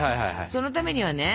そのためにはね